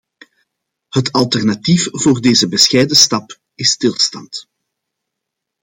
Het alternatief voor deze bescheiden stap is stilstand.